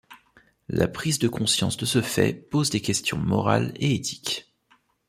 La prise de conscience de ce fait pose des questions morales et éthiques.